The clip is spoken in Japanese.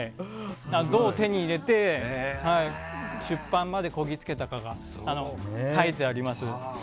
どう手に入れて出版まで漕ぎつけたかが書いてあります。